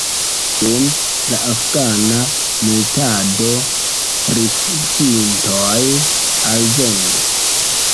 Dum la afgana militado rifuĝintoj alvenis.